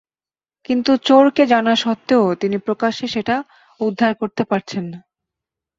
কিন্তু চোরকে জানা সত্ত্বেও তিনি প্রকাশ্যে সেটা উদ্ধার করতে পারছেন না।